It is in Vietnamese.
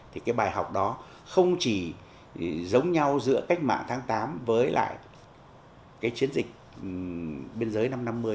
thì cái bài học đó không chỉ giống nhau giữa cách mạng tháng tám với lại cái chiến dịch biên giới năm năm mươi